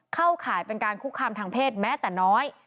ข่ายเป็นการคุกคามทางเพศแม้แต่น้อย